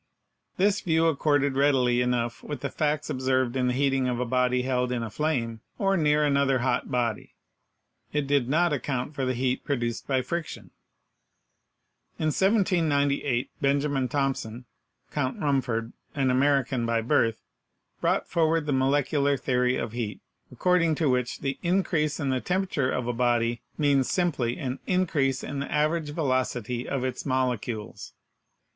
This view accorded readily enough with the facts observed in the heating of a body held in a flame, or near HEAT 51 another hot body. It did not account for the heat pro duced by friction. In 1798 Benjamin Thompson, Count Rumford, an American by birth, brought forward the molecular theory of heat, according to which the increase in the temperature of a body means simply an increase in the average velocity of its molecules.